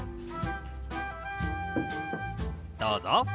どうぞ。